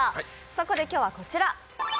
そこで今日はこちら。